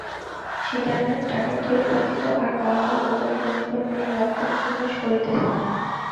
সীতারামের টাকার থলি ব্যতীত আর কাহারও উদর কমিবার কোনো লক্ষণ প্রকাশ করিতেছে না।